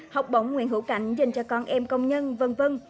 học bổng nguyễn hữu cảnh dành cho con em công nhân v v